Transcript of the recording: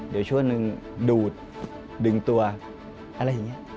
เดี๋ยวช่วงหนึ่งดูดดึงตัวอะไรอย่างนี้